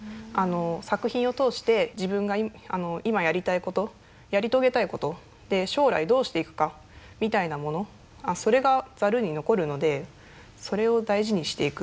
作品を通して自分が今やりたいことやり遂げたいことで将来どうしていくかみたいなものそれがザルに残るのでそれを大事にしていく。